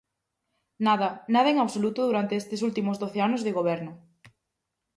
Nada, nada en absoluto durante estes últimos doce anos de Goberno.